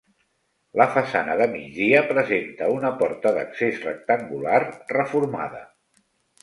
La façana de migdia presenta una porta d'accés rectangular reformada.